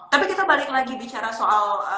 tapi kita balik lagi bicara soal